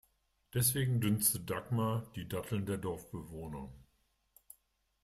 Deswegen dünstet Dagmar die Datteln der Dorfbewohner.